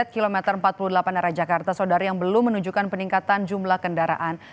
kilometer empat puluh delapan arah jakarta sodari yang belum menunjukkan peningkatan jumlah kendaraan